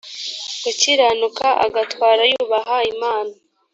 gukiranuka agatwara yubaha imana